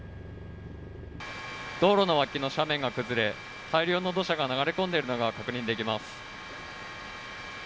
道路のわきの斜面が崩れ大量の土砂が流れ込んでいるのが確認できます。